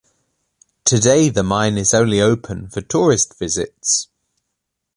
Today the mine is only open for tourist visits.